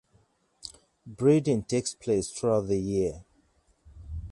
Breeding takes place throughout the year.